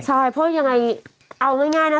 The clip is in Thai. ใช่เพราะยังไงเอาง่ายนะ